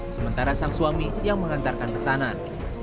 sementara sang suami yang mengantarkan pesanan